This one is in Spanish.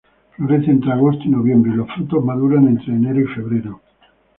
Florece entre agosto y noviembre y los frutos maduran entre enero y febrero.